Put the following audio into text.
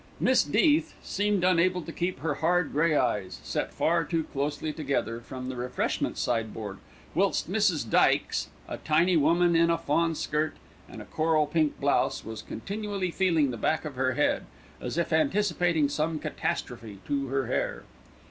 Miss Death seemed unable to keep her hard grey eyes, set far too closely together, from the refreshment sideboard, whilst Mrs. Dykes, a tiny woman in a fawn skirt and a coral pink blouse, was continually feeling the back of her head, as if anticipating some catastrophe to her hair.